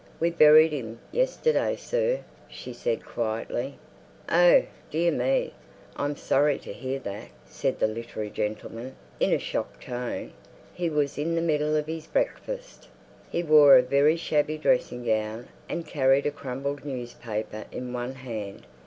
"We buried 'im yesterday, sir," she said quietly. "Oh, dear me! I'm sorry to hear that," said the literary gentleman in a shocked tone. He was in the middle of his breakfast. He wore a very shabby dressing gown and carried a crumpled newspaper in one hand.